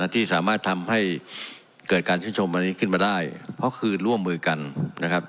ที่สามารถทำให้เกิดการชื่นชมอันนี้ขึ้นมาได้เพราะคือร่วมมือกันนะครับ